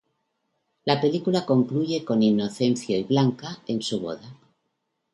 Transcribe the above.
La película concluye con Inocencio y Blanca en su boda.